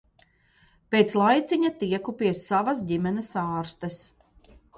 Pēc laiciņa tieku pie savas ģimenes ārstes.